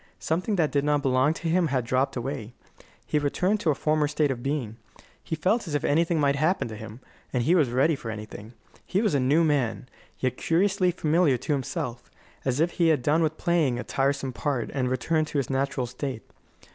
Something that did not belong to him had dropped away; he had returned to a former state of being. He felt as if anything might happen to him, and he was ready for anything. He was a new man, yet curiously familiar to himself as if he had done with playing a tiresome part and returned to his natural state.